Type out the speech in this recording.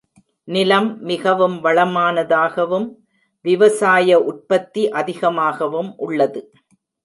நிலம் மிகவும் வளமானதாகவும், விவசாய உற்பத்தி அதிகமாகவும் உள்ளது.